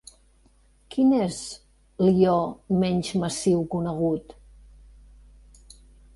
Quin és l'ió menys massiu conegut?